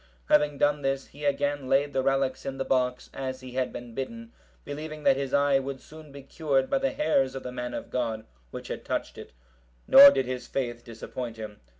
Having done this, he again laid the relics in the box, as he had been bidden, believing that his eye would soon be cured by the hairs of the man of God, which had touched it; nor did his faith disappoint him.